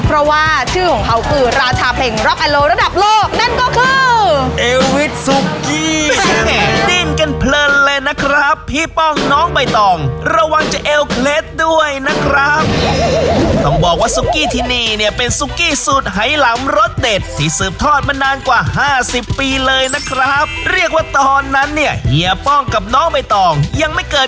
เพราะว่าชื่อของเขาคือราชาเพลงร็อกอัลโหลระดับโลก